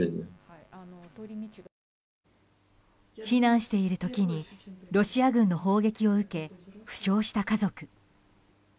避難している時にロシア軍の砲撃を受け負傷した家族。